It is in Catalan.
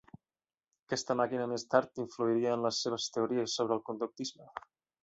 Aquesta màquina més tard influiria en les seves teories sobre el conductisme.